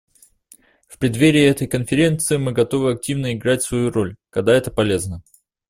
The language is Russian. В преддверии этой конференции мы готовы активно играть свою роль, когда это полезно.